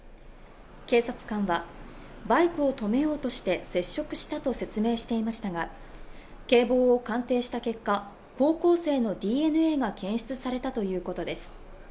警察官はバイクを止めようとして接触したと説明していましたが警棒を鑑定した結果高校生のＤＮＡが検出されたということです